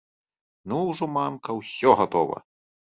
Ну, ужо, мамка, усё гатова!